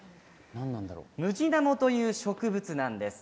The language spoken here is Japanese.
ムジナモという植物です。